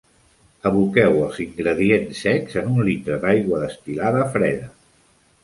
Aboqueu els ingredients secs en un litre d'aigua destil·lada freda.